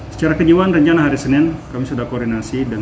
secara kejiwaan rencana hari senin kami sudah koordinasi